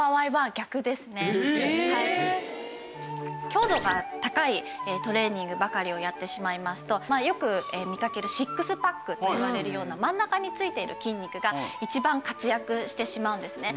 強度が高いトレーニングばかりをやってしまいますとよく見かけるシックスパックといわれるような真ん中についている筋肉が一番活躍してしまうんですね。